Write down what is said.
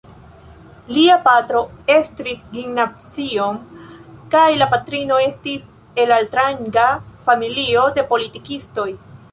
Lia patro estris gimnazion kaj la patrino estis el altranga familio de politikistoj.